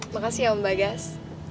makasih ya om bagas